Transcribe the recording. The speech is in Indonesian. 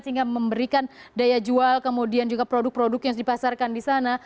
sehingga memberikan daya jual kemudian juga produk produk yang dipasarkan